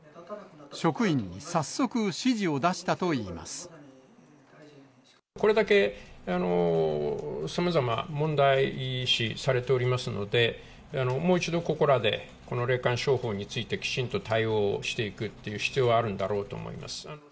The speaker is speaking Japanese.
職員に早速、指示を出したといいこれだけ、さまざま問題視されておりますので、もう一度、ここらでこの霊感商法について、きちんと対応をしていくっていう必要はあるんだろうと思います。